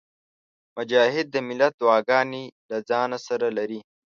مجاهد د ملت دعاګانې له ځانه سره لري.